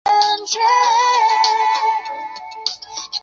索伦森是位于美国加利福尼亚州阿拉米达县的一个非建制地区。